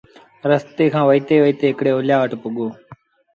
رستي کآݩ وهيٚتي وهيٚتي هڪڙي اوليآ وٽ پُڳو